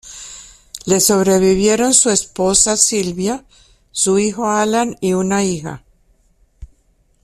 Le sobrevivieron su esposa Sylvia, su hijo Alan, y una hija.